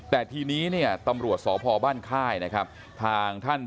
แต่ทีนี้เนี่ยตำรวจสพบ้านค่ายนะครับทางท่าน